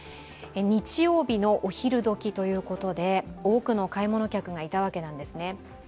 日曜日のお昼どきということで、多くの買い物客がいたわけなんですね。